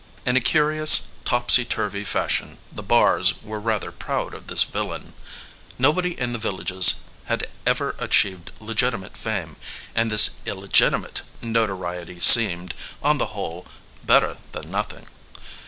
In a curious, topsy turvy fashion the Barrs were rather proud of this villain. No body in the villages had ever achieved legitimate fame, and this illegitimate notoriety seemed, on 74 VALUE RECEIVED the whole, better than nothing.